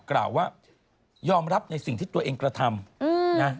กล่าวว่ายอมรับในสิ่งที่ตัวเองกระทำนะ